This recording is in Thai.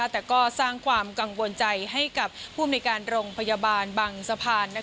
แต่ก็สร้างความกังวลใจให้กับผู้อำนวยการโรงพยาบาลบางสะพาน